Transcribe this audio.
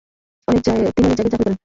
তিনি অনেক জায়গায় চাকুরী করেন।